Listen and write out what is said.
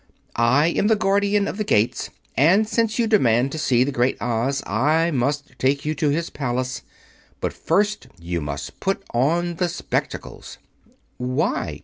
I am the Guardian of the Gates, and since you demand to see the Great Oz I must take you to his Palace. But first you must put on the spectacles." "Why?"